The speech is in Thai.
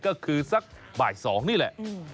ก็คือสักบ่าย๒นี่แหละ